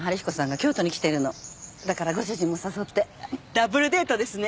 ダブルデートですね。